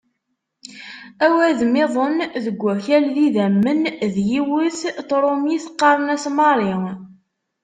Awadem-iḍen deg "Akal d idammen", d yiwet n tṛumit qqaren-as Marie.